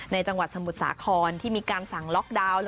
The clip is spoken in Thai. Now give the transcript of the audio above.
จังหวัดสมุทรสาครที่มีการสั่งล็อกดาวน์